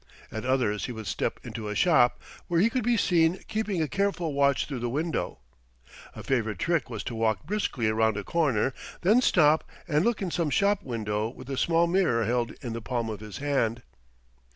At others he would step into a shop, where he could be seen keeping a careful watch through the window. A favourite trick was to walk briskly round a corner, then stop and look in some shop window with a small mirror held in the palm of his hand.